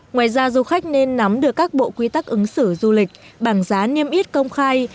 ngoài ra du khách nên nắm được các bộ quy tắc ứng xử du lịch bằng giá niêm yết công khai